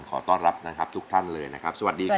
ขอต้อนรับนะครับทุกท่านเลยนะครับสวัสดีครับ